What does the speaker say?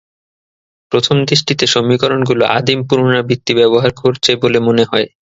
প্রথম দৃষ্টিতে সমীকরণগুলো আদিম পুনরাবৃত্তি ব্যবহার করছে বলে মনে হয়।